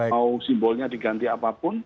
mau simbolnya diganti apapun